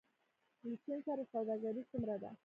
له چین سره سوداګري څومره ده؟